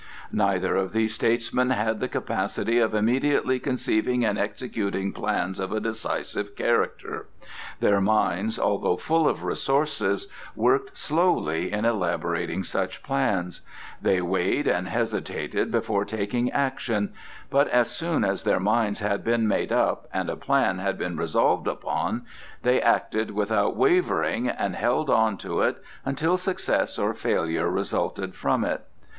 Neither of these statesmen had the capacity of immediately conceiving and executing plans of a decisive character. Their minds, although full of resources, worked slowly in elaborating such plans; they weighed and hesitated before taking action; but as soon as their minds had been made up and a plan had been resolved upon, they acted without wavering, and held on to it until success or failure resulted from it.